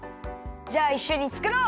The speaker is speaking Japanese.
じゃあいっしょにつくろう！